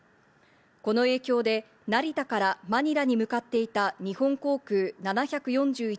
この影響で成田からマニラに向かっていた日本航空７４１